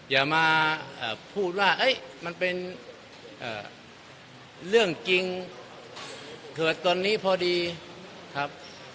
อย่ามาพูดว่ามันเป็นเรื่องจริงเกิดตอนนี้พอดีครับ